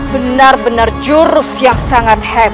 benar benar jurus yang sangat hebat